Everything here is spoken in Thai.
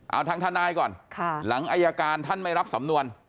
เอาทางทนายก่อนหลังอายการท่านไม่รับสำนวน